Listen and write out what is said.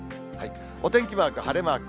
お天気マーク、晴れマーク。